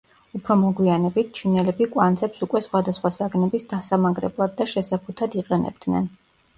უფრო მოგვიანებით, ჩინელები კვანძებს უკვე სხვადასხვა საგნების დასამაგრებლად და შესაფუთად იყენებდნენ.